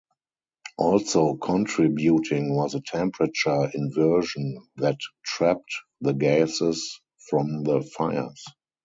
Also contributing was a temperature inversion that trapped the gases from the fires.